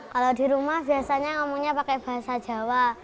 kalau di rumah biasanya ngomongnya pakai bahasa jawa